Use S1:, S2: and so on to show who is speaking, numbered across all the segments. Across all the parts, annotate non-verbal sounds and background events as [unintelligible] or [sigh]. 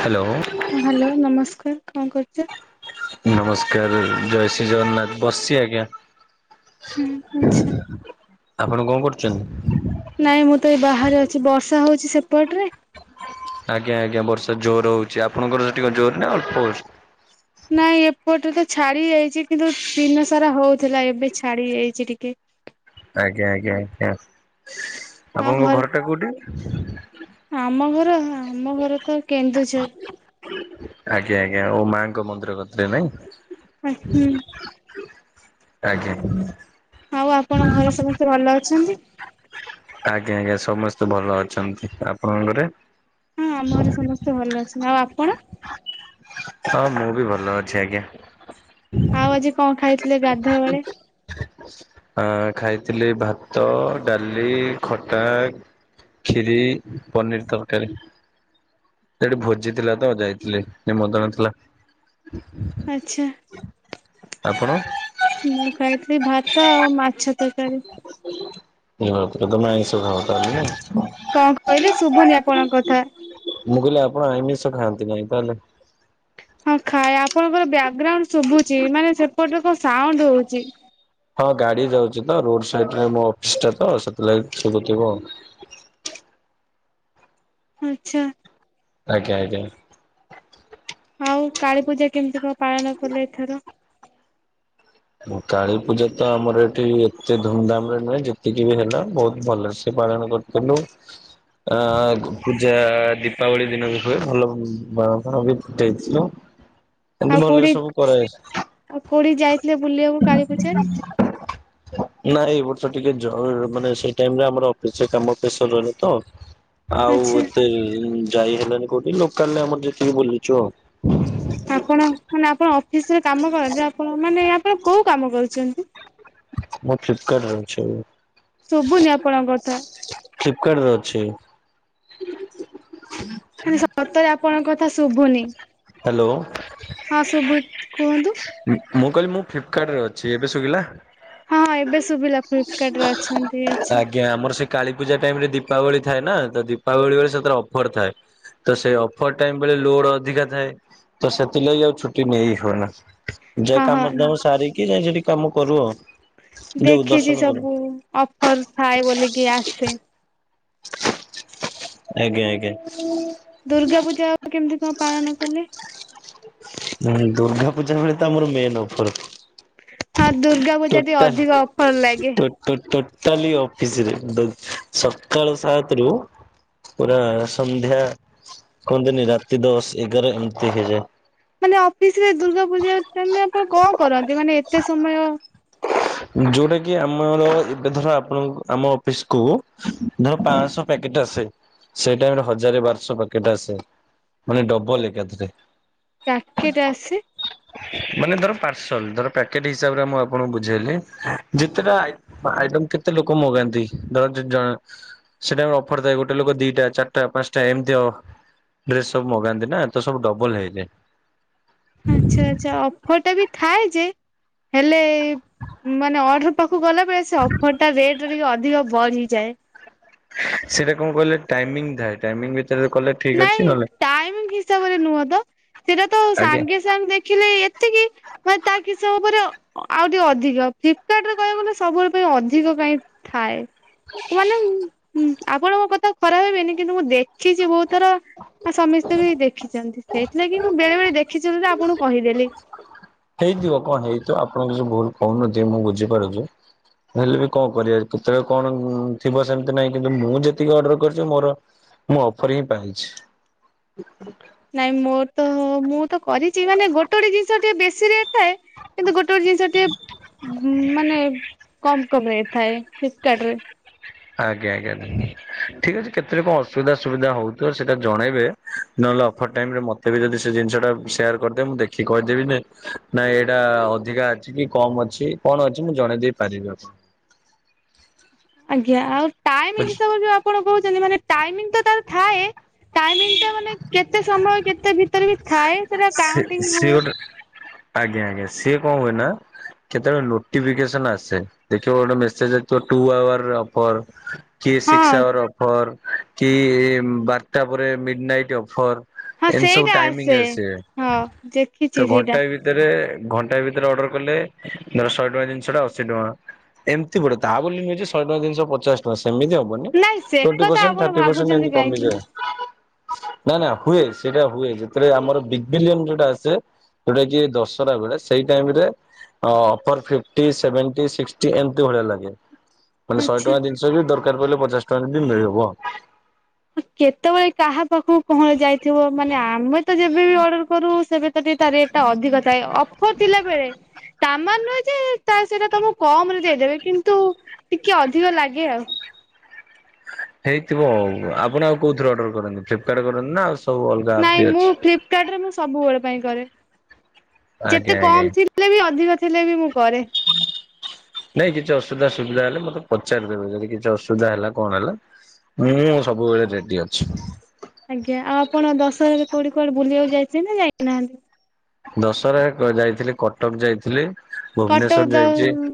S1: Hello
S2: ହଁ hello ନମସ୍କାର, କଣ କରୁଚ?
S1: ନମସ୍କାର ଜୟ ଶ୍ରୀ ଜଗନ୍ନାଥ, ବସିଛି ଆଜ୍ଞା।
S2: ହୁଁ, ଆଚ୍ଛା।
S1: ଆପଣ କଣ କରୁଛନ୍ତି?
S2: ନାଇଁ ମୁଁ ତ ଏଇ ବାହାରେ ଅଛି। ବର୍ଷା ହଉଛି ସେପଟରେ।
S1: ଆଜ୍ଞା ଆଜ୍ଞା ବର୍ଷା ଜୋର ହଉଛି। ଆପଣଙ୍କର ସେଠି କଣ ଜୋର ନା ଅଳ୍ପ ହଉଛି?
S2: ନାଇଁ ଏପଟେ ତ ଛାଡି ଯାଇଚି। କିନ୍ତୁ ଦିନ ସାରା ହଉଥିଲା ଏବେ ଛାଡି ଯାଇଚି ଟିକେ।
S1: ଆଜ୍ଞା, ଆଜ୍ଞା, କାସ୍।
S2: ଆଉ
S1: ଆପଣଙ୍କ
S2: ଘରେ
S1: ଘର ଟା କୋଉଠି?
S2: ଆମ ଘର ହଁ ଆମ ଘର ତ କେନ୍ଦୁଝର।
S1: ଆଜ୍ଞା ଆଜ୍ଞା ଓ ମା ଙ୍କ ମନ୍ଦିର କତିରେ ନାଇଁ?
S2: ଆଚ୍ଛା।
S1: ଆଜ୍ଞା।
S2: ଆଉ ଆପଣ ଘରେ ସମସ୍ତେ ଭଲ ଅଛନ୍ତି?
S1: ଆଜ୍ଞା ଆଜ୍ଞା ସମସ୍ତେ ଭଲ ଅଛନ୍ତି। ଆପଣଙ୍କ ଘରେ?
S2: ହଁ ଆମ ଘରେ ସମସ୍ତେ ଭଲ ଅଛନ୍ତି। ଆଉ ଆପଣ?
S1: ହଁ ମୁଁ ବି ଭଲ ଅଛି ଆଜ୍ଞା।
S2: ଆଉ ଆଜି କଣ ଖାଇଥିଲେ ଗାଧୁଆବେଳେ?
S1: ଆ, ଖାଇଥିଲି ଭାତ, ଡାଲି, ଖଟା ଖିରୀ, ପନିର୍ ତରକାରୀ। ସେଠି ଭୋଜି ଥିଲା ତ ଯାଇଥିଲି ନିମନ୍ତ୍ରଣ ଥିଲା।
S2: ଆଚ୍ଛା।
S1: ଆପଣ?
S2: ତାରୀ
S1: [unintelligible] ସେ ଘଟଗାଁ ତାରିଣୀ?
S2: କଣ କହିଲେ ଶୁଭୁନି ଆପଣଙ୍କ କଥା?
S1: ମୁଁ କହିଲି ଆପଣ ଆଇମିଷ ଖାଆନ୍ତି ନାହିଁ ତାହେଲେ।
S2: ହଁ ଖାଏ ଆପଣଙ୍କର ବ୍ୟାକଗ୍ରାଉଣ୍ଡ ଶୁଭୁଚି। ମାନେ ସେପଟରେ କଣ ସାଉଣ୍ଡ ହୋଉଛି।
S1: ହଁ ଗାଡି ଯାଉଛି ତ ରୋଡ୍ ସାଇଡରେ ମୋ ଅଫିସ୍ ଟା ତ ସେଥି ଲାଗି ଶୁଭୁ ଥିବ।
S2: ଆଚ୍ଛା।
S1: ଆଜ୍ଞା, ଆଜ୍ଞା।
S2: ଆଉ କାଳୀ ପୂଜା କେମିତି କଣ ପାଳନ କଲେ ଏଥର?
S1: କାଳୀ ପୂଜା ତ ଆମର ଏଠି ଏତେ ଧୁମଧାମ ରେ ନୁହେଁ ଯେତିକି ବି ହେଲା ବହୁତ ଭଲସେ ପାଳନ କରିଥିଲୁ। ଆ ପୂଜା ଦୀପାବଳି ଦିନ ବି ହୁଏ। ଭଲ ବାଣ ଫାଣ ବି ଫୁଟେଇଥିଲୁ। ଏମିତି
S2: ଆଉ
S1: ଭଲରେ
S2: କୋଉଠି
S1: ସବୁ କରାଯାଏ।
S2: ଆଉ କୋଉଠି ଯାଇଥିଲେ ବୁଲିବାକୁ କାଳୀ ପୂଜାରେ?
S1: ନାଇଁ ଏଇ ବର୍ଷ ଟିକେ ଜରୁରୀ ମାନେ ସେଇ ଟାଇମ୍ ରେ ଆମର ଅଫିସରେ କାମ ପ୍ରେସର ରହିଲା ତ। ଆଉ
S2: ଆଚ୍ଛା
S1: ଏତେ ଯାଇ ହେଲାନି କୋଉଠି ଲୋକାଲରେ ଆମର ଯେତିକି ବୁଲିଲୁ।
S2: ଆପଣ ମାନେ ଆପଣ ଅଫିସରେ କାମ କରନ୍ତି ଆପଣ ମାନେ ଆପ୍ ପଣ କୋଉ କାମ କରୁଚନ୍ତି?
S1: ମୁଁ ଫ୍ଲିପକାରଟରେ ଅଛି
S2: ଶୁଭୁନି ଆପଣଙ୍କ
S1: ଏବେ।
S2: କଥା
S1: ଫ୍ଲିପକାର୍ଟରେ ଅଛି।
S2: ମାନେ ସତରେ ଆପଣଙ୍କ କଥା ଶୁଭୁନି।
S1: ହ୍ୟାଲୋ।
S2: ହଁ ଶୁଭୁ କୁହନ୍ତୁ।
S1: ମୁଁ ମୁଁ କହିଲି ମୁଁ ଫ୍ଲିପକାଟ୍ ରେ ଅଛି। ଏବେ ଶୁଗିଲା?
S2: ହଁ ଏବେ ଶୁଭିଲା ଫ୍ଲିପକାର୍ଟରେ ଅଛନ୍ତି। ଆଚ୍ଛା।
S1: କାଳୀପୂଜା ଟାଇମ୍ ରେ ଦୀପାବଳି ଥାଏ ନା। ତ ଦୀପାବଳି ବେଳେ ସେଥିରେ ଅଫର ଥାଏ। ତ ସେ ଅଫର ଟାଇମ୍ ବେଳେ ଲୋଡ ଅଧିକା ଥାଏ। ତ ସେଥିଲାଗି ଆଉ ଛୁଟି ନେଇ ହୁଏନା। ଯା
S2: ହଁ ହଁ
S1: କାମ ଦାମ ସାରିକି ଯାଇ ସେଠି କାମ କରୁ ଆଉ। ଯୋଉ
S2: ଦେଖିଚି
S1: ଦର୍ଶନ କରୁ
S2: ସବୁ ଅଫର ଥାଏ ବୋଲିକି ଆସେ।
S1: ଆଜ୍ଞା ଆଜ୍ଞା।
S2: ଦୁର୍ଗା ପୂଜା ଆଉ କେମିତି କଣ ପାଳନ କଲେ?
S1: ହୁଁ ଦୁର୍ଗା ପୂଜା ବେଳେ ତ ଆମର ମେନ୍ ଅଫର୍।
S2: ହଁ ଦୁର୍ଗା ପୂଜା ଟିକେ
S1: ଟୋଟାଲ୍
S2: ଅଧିକ ଅଫର ଲାଗେ।
S1: ଟୋ ଟୋ ଟୋ ଟାଲି ଅଫିସରେ ଦ ସକାଳ ସାତରୁ ପୁରା ସନ୍ଧ୍ୟା କୁହନ୍ତିନି ରାତି ଦଶ ଏଗାର ଏମିତି ହେଇଯାଏ।
S2: ମାନେ ଅଫିସରେ ଦୁର୍ଗା ପୂଜା ଟାଇମ୍ ରେ ଆପଣ କଣ କରନ୍ତି ମାନେ ଏତେ ସମୟ?
S1: ଯୋଉଟା କି ଆମର ଏବେ ଧର ଆପଣଙ୍କ ଆମ ଅଫିସକୁୁ ଧର ପାନ୍ସଶ ପ୍ୟାକ୍ ଟ୍ ଆସେ ସେ ଟାଇମ୍ ରେ ହଜାର ବାରଶ ପ୍ୟାକେଟ ଆସେ। ମାନେ ଡବଲ ଏକାଥରେ।
S2: ପ୍ୟାକେଟ ଆସେ?
S1: ସଲ ଧର ପ୍ୟାକେଟ୍ ହିସାବରେ ମୁଁ ଆପଣଙ୍କୁ ବୁଝେଇଲି। ଯେତେଟା ଆଇ ଆଇଟମ୍ କେତେ ଲୋକ ମଗାନ୍ତି। ଧର ଜ ଜ ସେଟା ଟାଇମ୍ ରେ ଅଫର ତ ଗୋଟେ ଲୋକ ଦିଟା, ଚାରିଟା, ପାନ୍ସଟା ଏମିତି ହବ। ଡ୍ରେସ ସବୁ ମଗାନ୍ତି ନା ତ ସବୁ ଡବଲ ହେଇଯାଏ।
S2: ଆଚ୍ଛା ଆଚ୍ଛା ଅଫର ଟା ବି ଥାଏ ଯେ ହେଲେ ମାନେ ଅର୍ଡର ପାକ୍ କୁ ଗଲା ବେଳେ ସେ ଅଫର ଟା ରେଟ ଟିକେ ଅଧିକ ବଢ଼ିଯାଏ।
S1: ସେଇଟା କଣ କହିଲେ ଟାଇମିଂ ଥାଏ। ଟାଇମିଂ ୱି
S2: ନାଇଁ ଟାଇମିଂ ହିସାବରେ ନୁହଁ ତ। ସେଟା ତ
S1: ଆଜ୍ଞା।
S2: ସାଙ୍ଗେ ସାଙ୍ଗେ ଦେଖିଲେ ଏତ୍ ମାନେ ତା କିଛି ସମୟ ପରେ ଆଉ ଟିକେ ଅଧିକ, ଫ୍ଲିପକାର୍ଟ ରେ କହିବାକୁ ଗଲେ ସବୁବେଳେ ପାଇଁ ଅଧିକ କାହିଁ ଥାଏ? ମାନେ ଉଁ ଆପଣଙ୍କ ମୋ କଥାକୁ ଖରାପ ଭାବିବେନି କିନ୍ତୁ ମୁଁ ଦେଖିଚି ବହୁତ ଥର। ଆଉ ସମସ୍ତେ ବି ଦେଖିଚନ୍ତି। ସେଇଥିଲାଗି ମୁଁ ବେଳେ ବେଳେ ଦେଖିଚି ବୋଲି ତ ଆପଣଙ୍କୁ କହିଦେଲି।
S1: କିନ୍ତୁ ଆପଣ କିଛି ଭୁଲ କହୁନଥିବେ ମୁଁ ବୁଝିପାରୁଚି। ହେଲେ ବି କଣ କରିବା କେତେବେଳେ କଣ ଉଁ ଥିବ ସେମିତି ନାଇଁ। କିନ୍ତୁ ମୁଁ ଯେତିକି ଅର୍ଡର କରିଚି ମୋର ମୁଁ ଅଫର୍ ହିଁ ପାଇଛି।
S2: ନାଇଁ ମୋର ତ ମୁଁ ତ କରିଚି। ମାନେ ଗୋଟେ ଗୋଟେ ଜିନିଷ ଟିକେ ବେଶି
S1: ହଁ।
S2: କିନ୍ତୁ ଗୋଟେ ଗୋଟେ ଜିନିଷ ଟିକେ ଉଁ ମାନେ କମ୍ କମ୍ ହେଇଥାଏ। ଫ୍ଲିପକାର୍ଟ ରେ।
S1: ଆଜ୍ଞା ଆଜ୍ଞା ଠିକ୍ ଅଛି, କେତେବେଳେ କଣ ଅସୁବିଧା ସୁବିଧା ହଉଥିବ ସେଇଟା ଜଣେଇବେ ନହେଲେ ଫର ଟାଇମ୍ ରେ ମତେ ବି ଯଦି ସେ ଜିନିଷ ଟା ସେୟାର କରିଦେବେ ମୁଁ ଦେଖି କହିଦେବିବେ ନାଇଁ ଏଇଟା ଅଧିକା ଅଛି କି କମ ଅଛି କଣ ଅଛି ମୁଁ ଜଣେଇ ଦେଇ ପାରିବି ଆପଣଙ୍କୁ।
S2: ଆଜ୍ଞା ଆଉ ଟାଇମ ହିସାବରେ ଯୋ ଆପଣ କହୁଛନ୍ତି ମାନେ ଟାଇମିଂ ତ ତାର ଥାଏ ଟାଇମିଙ୍ଗ ଟା ମାନେ କେତେ ସମୟ କେତେ ଭି ତରେ ବି ଥାଏ ସେଟା
S1: ସେ
S2: କାଉଣ୍ଟିଙ୍ଗ
S1: ସିଏ
S2: ହୁଏ।
S1: ଗୋଟେ ଆଜ୍ଞା ଆଜ୍ଞା, ସିଏ କଣ ହୁଏ ନା କେତେବେଳେ ନୋଟିଫିକେସନ ଆସେ ଦେଖିବ ଗୋଟେ ମେସେଜ ଯା ଟୁ ଆୱାର ଅଫର୍ କି
S2: ହଁ
S1: ସିକ୍ସ ଆୱାର ଅଫର୍, କି ବାରଟା ପରେ ମିଡ ନାଇଟ୍ ଅଫର୍
S2: ହଁ
S1: ଏମିତି ସବୁ
S2: ସେଇଟା
S1: ଟାଇମିଙ୍ଗ ଆସେ
S2: ହଁ ଦେଖିଛି
S1: ତ
S2: ସେଇଟା
S1: ଘଣ୍ଟାଏ ଭିତରେ ଘଣ୍ଟାଏ ଭିତରେ ଅର୍ଡର କଲେ ଧର ଶହେ ଟଙ୍କା ଜିନିଷ ଟା ଅଶି ଟଙ୍କା। ଏମିତି ପଡିବ ତାହା ବୋଲି ନୁହେଁ ଯେ ଶହେ ଟଙ୍କା ଜିନିଷ ପଚାଶ ଟଙ୍କା ଆସେ। ସେମିତି ହବନି।
S2: ନାଇଁ ସେ
S1: ଟ୍ବେଣ୍ଟି
S2: କଥା
S1: ପର୍ସେଣ୍ଟ୍,
S2: ଆପଣ
S1: ଥାର୍ଟୀ ପର୍ସେଣ୍ଟ
S2: ଭାବୁଛନ୍ତି
S1: ଏମିତି
S2: କାହିଁକି
S1: କମିବ। ନା ନା ହୁଏ ସେଇଟା ହୁଏ ଯେତେବେଳେ ଆମର ବିଗ ବିଲିୟନ ଯୋଉଟା ଆସେ ଯୋଉଟା କି ଦଶହରା ବେଳେ ସେଇ ଟାଇମ ରେ ଅ-ଅ ଅଫର୍ ଫିପ୍ଟି ସେଭେନ୍ଟି ଶିଷ୍ଟି ଏମିତି ଭଳିଆ ଲାଗେ। ମାନେ ଶହେ
S2: ଆଚ୍ଛା।
S1: ଟଙ୍କା ଜିନିଷ ବି ଦରକାର ପଡ଼ିଲେ ପଚାଶ ଟଙ୍କାରେ ବି ମିଳିବ।
S2: କେତେବେଳେ କାହା ପାଖକୁ କଣ ଯାଇଥିବ, ମାନେ ଆମେ ତ ଯେବେ ବି ଅର୍ଡର କରୁ ସେବେ ସେମିତି ତା ରେଟ୍ ଟା ଅଧିକ ଥାଏ ଅଫର ଥିଲା ବେଳେ। ତା ମାନେ ନୁହେଁ ଯେ ତା ସେଇଟା ତମକୁ କମ୍ ରେ ଦେଇଦେବେ କିନ୍ତୁ ଟିକେ ଅଧିକ ଲାଗେ ଆଉ।
S1: ହେଇଥିବ ଆଉ ଆପଣ ଆଉ କୋଉଥିରେ ଅର୍ଡର କରନ୍ତି ଫ୍ଲିପକାର୍ଟ କରନ୍ତି ନା ଆଉ ସବୁ ଅଲଗା ଆପ୍
S2: ନାଇଁ
S1: ବି
S2: ମୁଁ
S1: ଅଛି?
S2: ଫ୍ଲିପକାର୍ଟ ରେ ମୁଁ ସବୁ ବେଳେ ପାଇଁ କରେ।
S1: ଆଜ୍ଞା
S2: ଯେତେ
S1: ଆଜ୍ଞା
S2: କମ୍ ଥିଲେ ବି ଅଧିକ ଥିଲେ ବି ମୁଁ କରେ।
S1: ନାଇଁ କିଛି ଅସୁବିଧା ସୁବିଧା ହେଲେ ମତେ ପଚାରିଦେବେ ଯଦି କିଛି ଅସୁବିଧା ହେଲା କଣ ହେଲା। ମୁୁଁ ସବୁବେଳେ ରେଡି ଅଛି।
S2: ଆଜ୍ଞା ଆଉ ଆପଣ ଦଶହରାରେ କୋଉଠି କୁଆଡ଼େ ବୁଲିବାକୁ ଯାଇଛନ୍ତି ନା ଯାଇନାହାନ୍ତି?
S1: ଦଶହରାରେ କ ଯାଇଥିଲି କଟକ ଯାଇଥିଲି।
S2: କଟକ
S1: ଭୁବନେଶ୍ଵର ଯାଇଛି
S2: ଦ-ଅ-ଅ-ଉ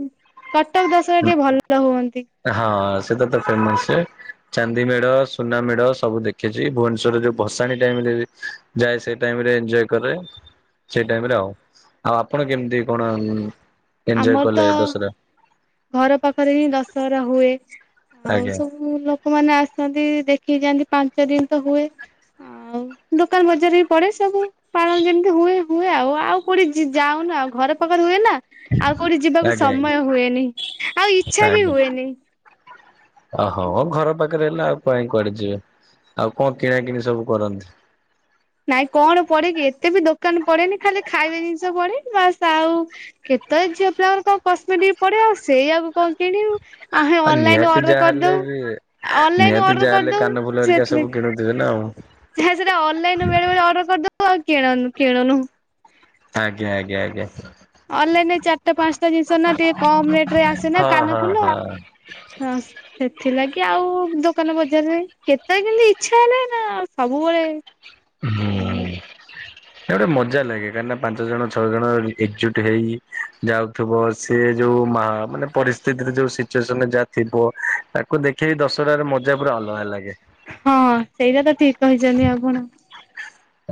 S2: କଟକ ଦଶହରା ଟିକେ ଭଲ ହୁଅନ
S1: ହଁ ସେଟା ତ ଫେମସେ। ଚାନ୍ଦି ମେଢ଼, ସୁନା ମେଢ଼ ସବୁ ଦେଖିଛି। ଭୁବନେଶ୍ଵରରେ ଯୋଉ ଭସାଣି ଟାଇମ୍ ବି ଯାଏ ସେଇ ଟାଇମ୍ ରେ ଏଞ୍ଜୋଏ କରେ ସେ ଟାଇମ୍ ରେ ଆଉ। ଆଉ ଆପଣ କେମତି କଣ ଏଯୋଏ
S2: ଆମର ତ
S1: କଲେ ଦଶହରା,
S2: ଘର ପାଖ ପାଖରେ ହିଁ ଦଶହରା ହୁଏ ଆଉ
S1: ଆଜ୍ଞା
S2: ସବୁ ଲୋକମାନେ ଆସନ୍ତି ଦେଖିକି ଯାଆନ୍ତି। ପାଞ୍ଚ ଦିନ ତ ହୁଏ। ଆଉ ଦୋକାନ ବଜାର ବି ପଡ଼େ ସବୁ ପାଳନ ଯେମିତି ହୁଏ। ହୁଏ ଆଉ, ଆଉ କୋଉଠି ଜି ଯାଉନ ଆଉ ଘର ପାଖରେ ହୁଏ ନା। ଆଉ କୋଉଠି ଯିବାକୁ
S1: ଆଜ୍ଞା ଆଜ୍ଞା
S2: ସମୟ ହୁଏନି। ଆଉ ଇଚ୍ଛା ବି
S1: ଆଜ୍ଞା
S2: ହୁଏନି।
S1: ଓହୋ ଘର ପାଖରେ ହେଲେ ଆଉ କାଇଁ କୁଆଡ଼େ ଯିବେ। ଆଉ କଣ କିଣା କିିଣି ସବୁ କରନ୍ତି?
S2: ନାଇଁ କଣ ପଡେ କି ଏତେ ବି ଦୋ ଦୋକାନ ପଡ଼େନି ଖାଲି ଖାଇବା ଜିନିଷ ପଡ଼େ। ବାସ୍ ଆଉ କେତେ ଝିଅ ପିଲାଙ୍କର କଣ କସ୍ମେଟିକ ପଡ଼େ। ଅ ସେଇଆକୁ କଣ କିଣିବୁ ଆମେ
S1: ଆ
S2: ଅନଲାଇନ
S1: ନିହାତି
S2: ଅର୍ଡର
S1: ଯାହା ହେଲେ
S2: କରିଦଉ।
S1: ବି
S2: ଅନଲାଇନ
S1: ନିହାତି
S2: ଅର୍ଡର
S1: ଯାହାହେଲେ
S2: କରିଦଉ
S1: କାନ ଫୁଲ ହେରିକା ସବୁ
S2: ସେଥିଲାଗି
S1: କିଣୁଥିବେ ନା ଆଉ।
S2: ସେଟା ଅନଲାଇନ ବେଳେବେଳେ ଅର୍ଡର କରିଦବୁ ଆଉ କିଣ କିଣୁନୁ।
S1: ଆଜ୍ଞା ଆଜ୍ଞା ଆଜ୍ଞା।
S2: ଅନଲାଇନରେ ଚାରିଟା ପାଞ୍ଚଟା ଜିନିଷ ନା ଟିକେ କମ୍ ରେଟ୍ ରେ ଆସେ ନା
S1: ହଁ
S2: କାନ
S1: ହଁ
S2: ଫୁଲ।
S1: ହଁ
S2: ହଁ ସେଥିଲାଗି ଆଉ ଦୋକାନ ଦୋକାନ ବଜାରରେ କେତେବେଳେ କେମିତି ଇଛା ହେଲେ ନା ସବୁବେଳେ କିଣୁନୁ।
S1: ସେଟା ଗୋଟେ ମଜା ଲାଗେ କାହିଁକିନା ପାଞ୍ଚ ଜଣ ଛଅ ଜଣ ଏ ଏକଜୁଟ ହେଇ ଯାଉଥିବ ସେ ଯଉ ଯୋଉ ମାଆ ମାନେ ପରିସ୍ଥିତିରେ ଯୋଉ ସିଚୁଏସନରେ ଯାହା ଥିବ ତାକୁ ଦେଖିକି ଦଶହରାର ମଜା ପୁରା ଅଲ ଲଗା ଲାଗେ।
S2: ହଁ ସେଇଟା ତ ଠିକ୍ କହିଛନ୍ତି ଆପଣ।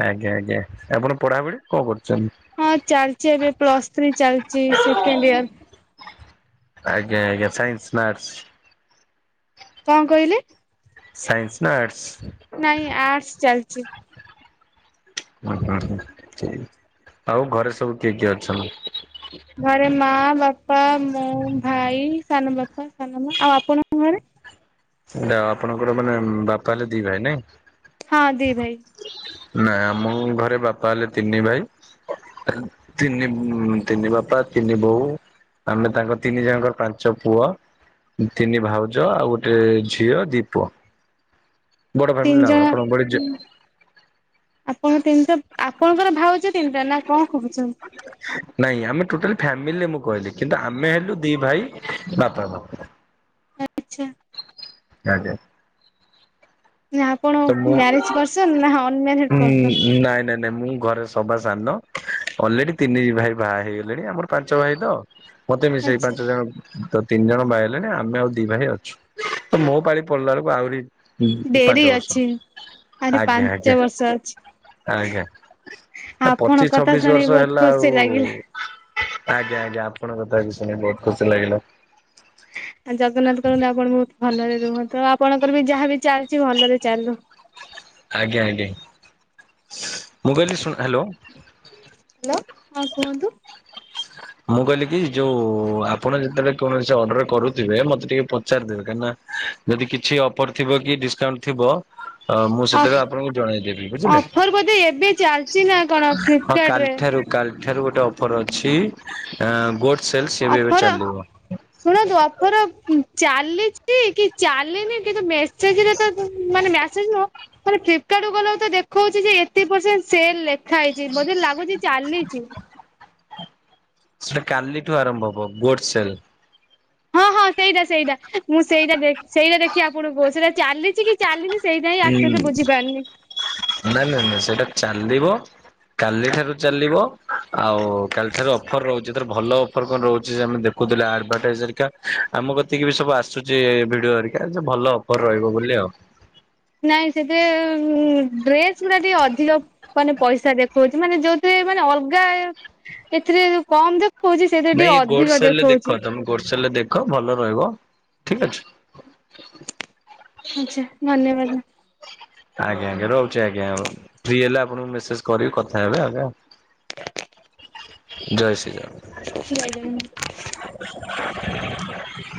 S1: ଆଜ୍ଞା ଆଜ୍ଞା। ଆପଣ ପଢ଼ାପଢ଼ି କଣ କରୁଚ
S2: ହଁ ଚାଲଚି ଏବେ ପ୍ଲସ ଥ୍ରୀ ଚାଲଚି ସେକେଣ୍ଡିଅର।
S1: ଆଜ୍ଞା ଆଜ୍ଞା। ସାଇନ୍ସ ନା ଆର୍ଟସ୍?
S2: କଣ କହିଲେ?
S1: ସାଇନ୍ସ ନା ଆର୍ଟସ୍?
S2: ନାଇଁ ଆର୍ଟସ ଚାଲିଚି।
S1: ହୁଁ ହୁଁ ହୁଁ। ଆଉ ଘରେ ସବୁ କିଏ କିଏ ଅଛନ୍ତି?
S2: ଘରେ ମାଆ ବାପା, ମୁଁ, ଭାଇ, ସାନ ବାପା, ସାନ ମା। ଆଉ ଆପଣଙ୍କ ଘରେ?
S1: ଯାହଉ ଆପଣଙ୍କର ମାନେ ବାପା ହେଲେ ଦି ଭାଇ ନାଇଁ?
S2: ହଁ ଦି ଭାଇ।
S1: ନାଇଁ ଆମ ଘରେ ବାପା ହେଲେ ତିନି ଭାଇ ତିନ ତିନି ତିନି ବାପା ତିନି ବୋଉ ଆମେ ତାଙ୍କ ତିନି ଜଣଙ୍କର ପାଞ୍ଚ ପୁଅ, ତିନି ଭାଉଜ ଆଉ ଗୋଟେ ଗୋଟିଏ ଝିଅ ଦି ପୁଅ। ବଡ
S2: ତିନି
S1: ଫ୍ୟାମିଲିଟା ଆଉ।
S2: ଜଣ
S1: ଆପଣଙ୍କ ଭଳି ଯେ
S2: କଣ ତିନିଟା, ଆପଣଙ୍କର ଭାଉଜ ତିନିଟା ନା କଣ? କହୁଛନ୍ତି?
S1: ନାଇଁ ଆମେ ଟୋଟାଲ ଫ୍ୟାମିଲିରେ ମୁଁ କହିଲି। କିନ୍ତୁ ଆମେ ହେଲୁ ଦି ଭାଇ ବାପା ବୋଉ।
S2: ଆଚ୍ଛା।
S1: ଆଜ୍ଞା।
S2: ନାଇଁ, ଆପଣ
S1: ତ ମୁଁ
S2: ମ୍ୟାରେଜ ପର୍ସନ ନା ଅନମ୍ୟାରେଡ଼ ପର୍ସନ?
S1: ନାଇଁ ନାଇଁ ମୁଁ ଘରେ ସବା ସାନ। ଅଲରେଡି ତିନି ଭାଇ ବାହା ହେଇଗଲେଣି, ଆମର ପାଞ୍ଚ ଭାଇ ତ ମତେ ବି ସେଇ
S2: ଆଚ୍ଛା
S1: ପାଞ୍ଚ ଜଣ ତ ତିନି ଜଣ ବାହା ହେଇଗଲେଣି, ଆମେ ଆଉ ଦି ଭାଇ ଅଛୁ। ତ ମୋ ପାଳି ପଡ଼ିଲା ବେଳକୁ ଆହୁରି ହୁଁ ପାଞ୍ଚ ବର୍ଷ।
S2: ଆରେ
S1: ଆଜ୍ଞା ଆଜ୍ଞା
S2: ପାଞ୍ଚ ବର୍ଷ ଅଛି।
S1: ଆଜ୍ଞା। ଆ
S2: ଆପଣଙ୍କ
S1: ପଚିଶ
S2: କଥା
S1: ଛବିଶ
S2: ଶୁଣି
S1: ବର୍ଷ
S2: ବହୁତ
S1: ହେଲା
S2: ଖୁସି
S1: ଆଉ
S2: ଲାଗିଲା।
S1: ଆଜ୍ଞା ଆଜ୍ଞା, ଆପଣଙ୍କ କଥା ବି ଶୁଣି ବହୁତ ଖୁସି ଲାଗିଲା।
S2: ଆ ଜଗନ୍ନାଥ କରନ୍ତୁ ଆପଣ ବହୁତ ଭଲରେ ରୁହନ୍ତୁ, ଆପଣଙ୍କର ବି ଯାହା ବି ଚାଲିଛି ଭଲରେ ଚାଲୁ।
S1: ଆଜ୍ଞା ଆଜ୍ଞା। ମୁଁ କହିଲି ଶୁଣ ହ୍ୟାଲୋ।
S2: ହ୍ୟାଲୋ ହଁ କୁହନ୍ତୁ।
S1: ମୁଁ କହିଲି କି ଯୋଉ ଆପଣ ଯେତେବେଳେ କୌଣସି ଅର୍ଡର କରୁଥିବେ ମତେ ଟିକେ ପଚାରିଦେବେ, କାହିଁକିନା ଯଦି କିଛି ଅଫର ଥିବ କି ଡିସକାଉଣ୍ଟ ଥିବ ତ ମୁଁ ସେତେବେଳେ ଆପଣଙ୍କୁ ଜଣେଇଦେବି ବୁଝିଲେ?
S2: ଅଫର ବୋଧେ ଏବେ ଚାଲିଛି ନା କଣ
S1: ହଁ
S2: ଫ୍ଲିପକାର୍ଟ
S1: କାଲି ଲି
S2: ରେ
S1: ଠାରୁ କାଲି ଠାରୁ ଗୋଟେ ଅଫର୍ ଅଛି, ଆ ବୋଟ୍
S2: ଅଫର ଶୁଣନ୍ତୁ ଅଫର ଚାଲିଚି ଚାଲିଚି କି ଚାଲିନି କିନ୍ତୁ ମେସେଜରେ ତ ମାନେ ମ୍ୟା ସେଜ ନୁହଁ, ମାନେ ଫ୍ଲିପକାର୍ଟକୁ ଗଲାକୁ ଦେଖଉଛି ଏତିକି ପରସେଣ୍ଟ ସେଲ୍ ଲେ। ଖା ହେଇଛି, ବୋଧେ ଲାଗୁଚି ଚାଲିଚି।
S1: ସେ କାଲିଠୁ ଆରମ୍ଭ ହବ ଗୋଡ ସେଲ।
S2: ହଁ ହଁ ସେଇଟା ସେଇଟା ମୁଁ ସେଇଟା ଦେଖି ସେଇଟା ଦେଖି ଆପଣଙ୍କୁ କହୁଚି। ସେଇଟା ଚାଲିଚି କି ଚାଲିନି ସେଇଟା ହିଁ ଆକ୍ଚୁଆଲି
S1: ସେଲ୍
S2: ବୁଝିପାରୁନି।
S1: ନାଇଁ ନାଇଁ ନାଇଁ, ସେଇଟା ଚାଲିବ, କାଲିଠାରୁ ଚାଲିବ ଆଉ କାଲିଠାରୁ ଅଫର ରହୁଛି, ତାର ଭଲ ଅଫର କଣ ରହୁଛି ଆମେ ଦେଖୁଥିଲେ ଆଡଭାଟାଇଜ ହେରିକା ଆମ କତିକି ବି ସବୁ ଆସୁଛି, ଏ ଭିଡିଓ ହେରିକା ସବୁ ଭଲ ଅଫର ରହିବ ବୋଲି ଆଉ।
S2: ନାଇଁ ସେଥିରେ ଉମ୍ ଡ୍ରେସ ଗୁଡା ଟିକେ ଅଧିକ ମାନେ ପଇସା ଦେଖଉଛି, ମାନେ ଯୋଉଥିରେ ଆ ଅଲଗାଥିରେ କମ୍
S1: ନାଇଁ ଏ ଗୋଡସଲ ରେ ଦେଖ ତମେ ଗୋଡ ସେଲ ରେ ଦେଖ ଭଲ ରହିବ ଠିକ ଅଛି।
S2: ଆଚ୍ଛା ଧନ୍ୟବାଦ।
S1: ଆଜ୍ଞା ଆଜ୍ଞା ରହୁଛି ଆଜ୍ଞା ଫି ହେଲେ ଆପଣଙ୍କୁ ମେସେଜ କରିକି କଥା ହେବେ ଆଜ୍ଞା।
S2: [inaudible]
S1: ଜୟ ଶ୍ରୀ ରାମ।
S2: [unintelligible]
S1: [inaudible]